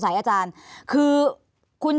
ภารกิจสรรค์ภารกิจสรรค์